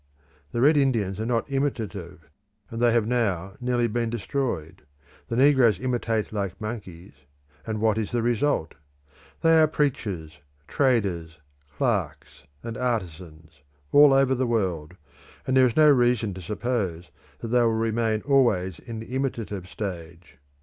The Red Indians are not imitative, and they have now nearly been destroyed; the negroes imitate like monkeys, and what is the result? They are preachers, traders, clerks, and artisans, all over the world, and there is no reason to suppose that they will remain always in the imitative stage.